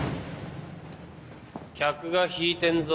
客が引いてんぞ？